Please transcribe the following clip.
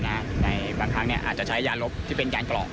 ในบางครั้งอาจจะใช้ยานรถที่เป็นยานเกาะ